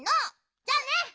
じゃあね！